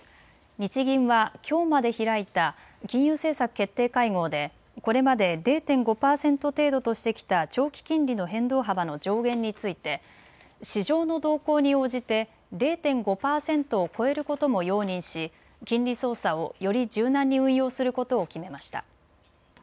日銀はきょうまで開いた金融政策決定会合でこれまで０．５％程度としてきた長期金利の変動幅の上限について市場の動向に応じて０．５％を超えることも容認し金利操作をより柔軟に運用することを決めました。